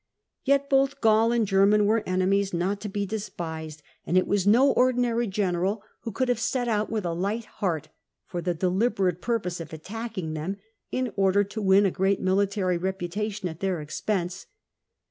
Yet both Gaul and Gorman were enemies not to be CiESAR'S COMMENTARIES 315 despised, and it wavS no ordinary general who could have set out wilh a light heart for the deliberate purpose of attacking them in order to win a great military reputation at their expense.